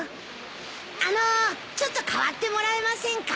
あのちょっと変わってもらえませんか？